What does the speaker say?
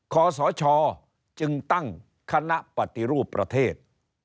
ขอสชจึงตั้งคณะปฏิรูปประเทศ